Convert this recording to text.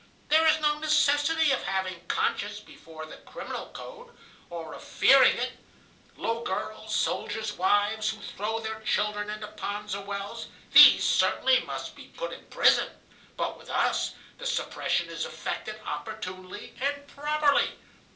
There is no necessity of having conscience before the criminal code, or of fearing it: low girls, soldiers' wives who throw their children into ponds or wells, these certainly must be put in prison. But with us the suppression is effected opportunely and properly.